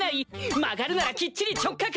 曲がるならきっちり直角！